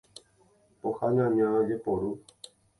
Pohã ñana jeporu.